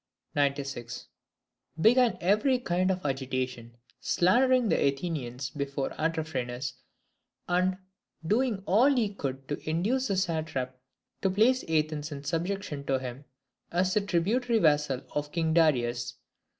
96.] began every kind of agitation, slandering the Athenians before Artaphernes, and doing all he could to induce the satrap to place Athens in subjection to him, as the tributary vassal of King Darius.